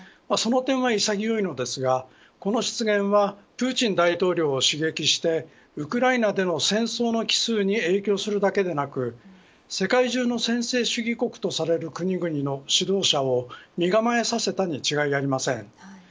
その点は潔いのですがこの失言はプーチン大統領を刺激してウクライナでの戦争の帰すうに影響するだけでなく世界中の専制主義国とされる国々の指導者を身構えさせたに違いありません。